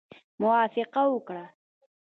موافقه وکړه.